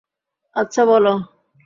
আচ্ছা, বল।